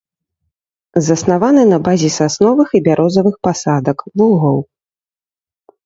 Заснаваны на базе сасновых і бярозавых пасадак, лугоў.